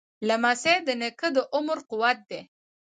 لمسی د نیکه د عمر قوت دی.